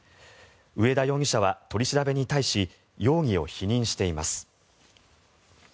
上田容疑者は取り調べに対し容疑を否認しています。